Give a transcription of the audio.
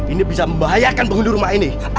ini bisa membahayakan penghuni rumah ini